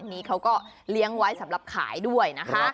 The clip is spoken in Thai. อันนี้เขาก็เลี้ยงไว้สำหรับขายด้วยนะคะ